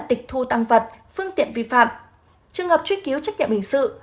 trường hợp truy kíu trách nhậm hình sự